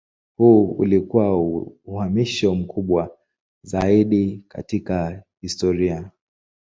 Huu ulikuwa uhamisho mkubwa zaidi katika historia.